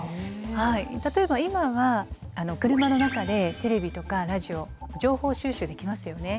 例えば今は車の中でテレビとかラジオ情報収集できますよね。